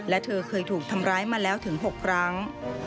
และเธอเคยถูกทำร้ายมาแล้วถึง๖ครั้ง